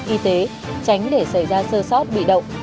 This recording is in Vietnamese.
y tế tránh để xảy ra sơ sót bị động